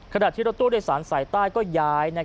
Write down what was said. ขณะที่รถตู้โดยสารสายใต้ก็ย้าย